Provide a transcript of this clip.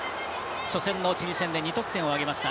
初戦のチリ戦で２得点挙げました。